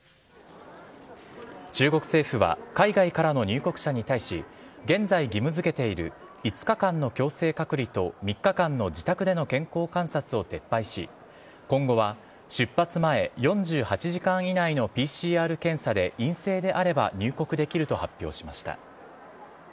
中国政府は、海外からの入国者に対し、現在、義務づけている５日間の強制隔離と、３日間の自宅での健康観察を撤廃し、今後は出発前４８時間以内のＰＣＲ検査で陰性であれば入国できると発表しました。